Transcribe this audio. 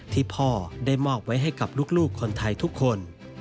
ที่พ่อได้มอบไว้ให้กับลูกคนไทยทุกคน